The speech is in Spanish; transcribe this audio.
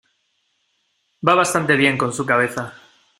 Va bastante bien con su cabeza.